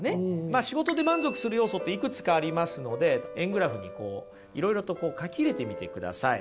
まあ仕事で満足する要素っていくつかありますので円グラフにいろいろと書き入れてみてください。